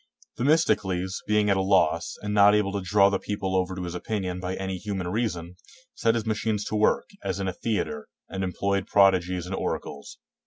] Themistocles, being at a loss, and not able to draw the people over to his opinion by any human reason, set his machines to work, as in a theater, and employed prodigies and oracles.